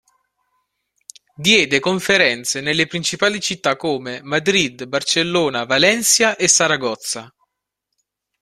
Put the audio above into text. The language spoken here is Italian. Diede conferenze nelle principali città come Madrid, Barcellona, Valencia e Saragozza.